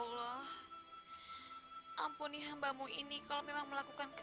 sampai jumpa di video selanjutnya